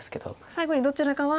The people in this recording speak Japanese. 最後にどちらかは。